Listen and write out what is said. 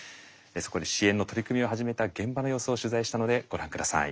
そこで支援の取り組みを始めた現場の様子を取材したのでご覧下さい。